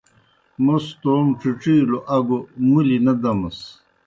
موْس توموْ ڇِڇِلیوْ اگوْ مُلیْ نہ دمَس۔